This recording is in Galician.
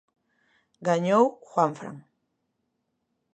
Gañou Juanfran.